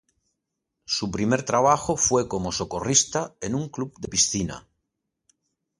Su primer trabajo fue como socorrista en un club de piscina.